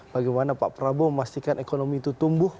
bagaimana pak prabowo memastikan ekonomi itu tumbuh